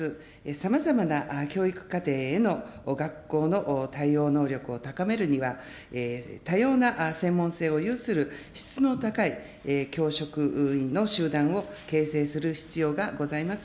さまざまな教育課程への学校の対応能力を高めるには、多様な専門性を有する質の高い教職員の集団を形成する必要がございます。